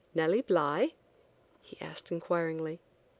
"Nellie Bly ?" he asked inquiringly.